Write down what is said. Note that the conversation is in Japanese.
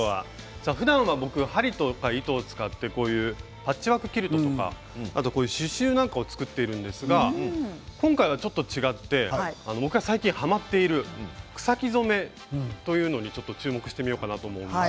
ふだんは針と糸を使ってパッチワークキルトとか作っているんですけど今回はちょっと違って僕が最近はまっている草木染めというものに注目してみようかと思います。